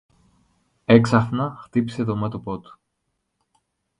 Έξαφνα χτύπησε το μέτωπο του